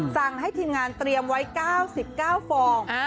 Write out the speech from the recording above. สั่งให้ทีมงานเตรียมไว้เก้าสิบเก้าฟองอ่า